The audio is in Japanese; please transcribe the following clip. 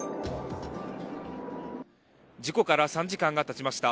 事故から３時間がたちました。